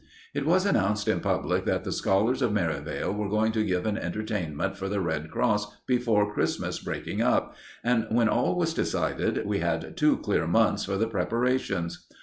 It was announced in public that the scholars of Merivale were going to give an entertainment for the Red Cross before Christmas breaking up, and, when all was decided, we had two clear months for the preparations.